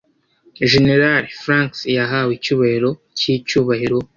Jenerali Franks yahawe icyubahiro cyicyubahiro.